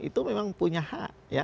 itu memang punya hak